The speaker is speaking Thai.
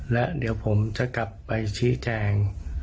และเดี๋ยวผมจะกลับไปชี้แจง